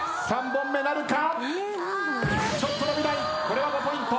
４本目なるか。